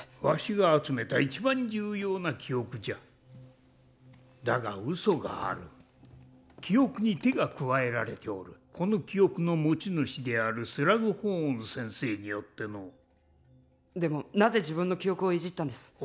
わしが集めた一番重要な記憶じゃだが嘘がある記憶に手が加えられておるこの記憶の持ち主であるスラグホーン先生によってのでもなぜ自分の記憶をいじったんです？